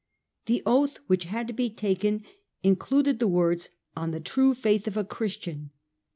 The oath which had to be taken included the words ' on the true faith of a Christian.